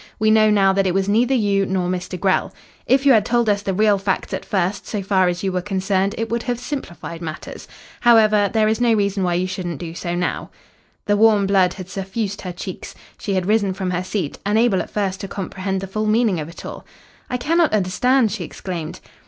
We know now that it was neither you nor Mr. Grell. If you had told us the real facts at first so far as you were concerned, it would have simplified matters. However, there is no reason why you shouldn't do so now." The warm blood had suffused her cheeks. She had risen from her seat, unable at first to comprehend the full meaning of it all. "I cannot understand," she exclaimed.